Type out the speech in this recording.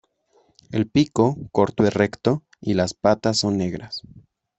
El pico, corto y recto, y las patas son negras.